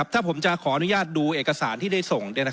ถ้าผมจะขออนุญาตดูเอกสารที่ได้ส่ง